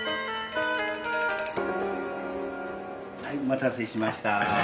お待たせしました。